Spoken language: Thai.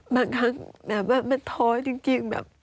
บางครั้งแบบว่ามันท้อจริงแบบ